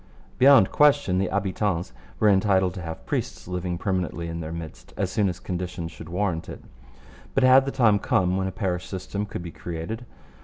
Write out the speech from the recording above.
Beyond question the habitants were entitled to have priests living permanently in their midst, as soon as conditions should warrant it. But had the time come when a parish system could be created?